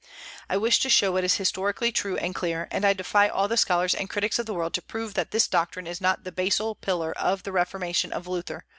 I wish to show what is historically true and clear; and I defy all the scholars and critics of the world to prove that this doctrine is not the basal pillar of the Reformation of Luther.